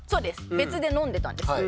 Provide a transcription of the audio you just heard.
別で飲んでたんです。